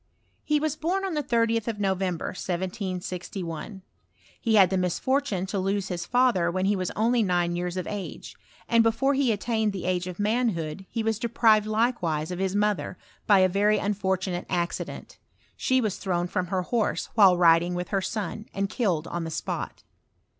He was bom on the 30th of November, 1761 : he had the misfortune jto lose his father when he was only nine years iof age ; and before he attained the age of manhood he mBS deprived likewise of his mother, by a very un fortunate accident : she was thrown from* her horse while riding with her son, and killed on the spot.